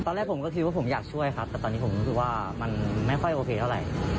ตอนแรกผมก็คิดว่าผมอยากช่วยครับแต่ตอนนี้ผมรู้สึกว่ามันไม่ค่อยโอเคเท่าไหร่